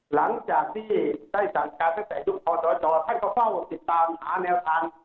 หลังจากที่ได้สั่งการตั้งแต่ยุคคอตจให้เขาเฝ้าติดตามหาแนวทาง